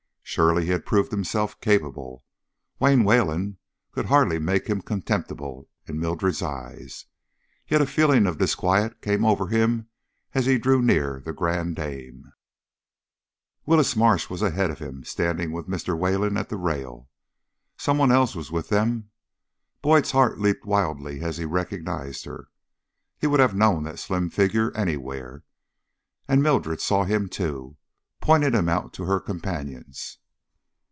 Surely he had proved himself capable. Wayne Wayland could hardly make him contemptible in Mildred's eyes. Yet a feeling of disquiet came over him as he drew near The Grande Dame. Willis Marsh was ahead of him, standing with Mr. Wayland at the rail. Some one else was with them; Boyd's heart leaped wildly as he recognized her. He would have known that slim figure anywhere and Mildred saw him too, pointing him out to her companions.